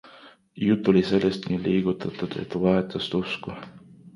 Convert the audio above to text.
Juut oli sellest nii liigutatud, et vahetas usku.